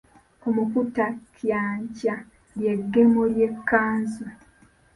Omukuutankyakya ly’eggemo ly’ekkanzu.